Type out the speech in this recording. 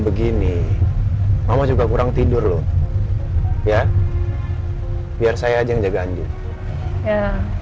begini mama juga kurang tidur loh ya biar saya aja yang jaga anjing ya